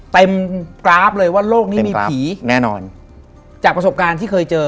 เต็มกราฟเลยว่าโลกนี้มีผีจากประสบการณ์ที่เคยเจอ